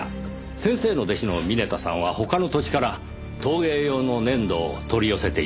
先生の弟子の峰田さんは他の土地から陶芸用の粘土を取り寄せていましてね。